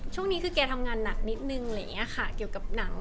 ช่วงนี้แกทำงานหนักนิดนึงเกี่ยวกับหนัง